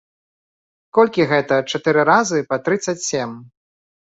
Колькі гэта чатыры разы па трыццаць сем?